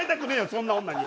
そんな女に。